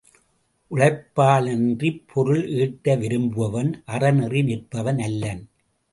உழைப்பாலன்றிப் பொருள் ஈட்ட விரும்புபவன் அறநெறி நிற்பவன் அல்லன்.